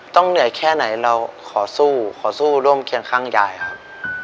เหนื่อยแค่ไหนเราขอสู้ขอสู้ร่วมเคียงข้างยายครับ